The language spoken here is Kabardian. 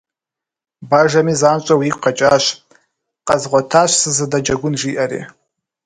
Бажэми занщӀэу игу къэкӀащ, къэзгъуэтащ сэ сызыдэджэгун, жиӀэри.